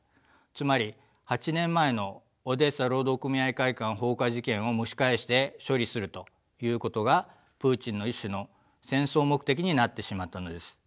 つまり８年前のオデーサ労働組合会館放火事件を蒸し返して処理するということがプーチンの一種の戦争目的になってしまったのです。